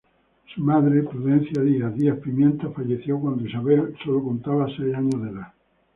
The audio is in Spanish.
Su madre, Prudencia Díaz Díaz-Pimienta, falleció cuando Isabel sólo contaba seis años de edad.